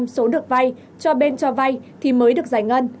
số được vay cho bên cho vay thì mới được giải ngân